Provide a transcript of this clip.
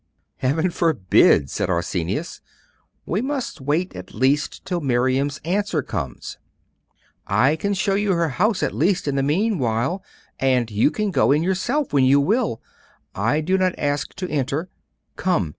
'Heaven forbid!' said Arsenius. 'We must wait at least till Miriam's answer comes.' 'I can show you her house at least in the meanwhile; and you can go in yourself when you will. I do not ask to enter. Come!